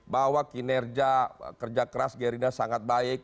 bahwa kinerja kerja keras gerindra sangat baik